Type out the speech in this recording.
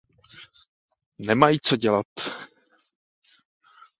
Nemají, co dělat.